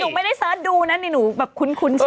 หนูไม่ได้เสิร์ชดูนะหนูแบบคุ้นชื่อ